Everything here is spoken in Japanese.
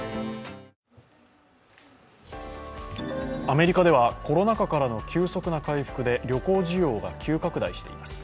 アメリカではコロナ禍からの急速な回復で旅行需要が急拡大しています。